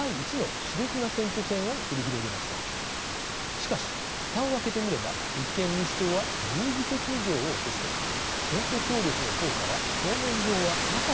しかし蓋を開けてみれば立憲民主党は１０議席以上を落として選挙協力の効果は表面上はなかったかに見えます。